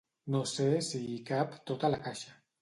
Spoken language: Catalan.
No sé si hi cap tot a la caixa.